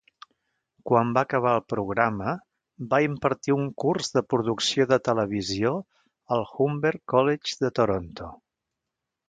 Quan va acabar el programa, va impartir un curs de producció de televisió al Humber College de Toronto.